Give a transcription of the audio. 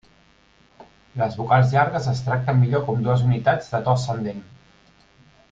Les vocals llargues es tracten millor com dues unitats de to ascendent.